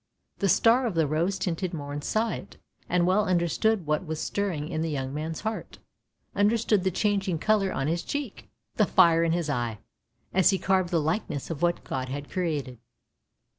The star of the rose tinted morn saw it, and well understood what was stirring in the young man's heart — understood the changing colour on his cheek, the fire in his eye — as he carved the likeness of what God had created.